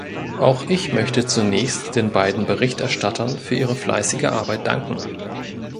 Auch ich möchte zunächst den beiden Berichterstattern für ihre fleißige Arbeit danken.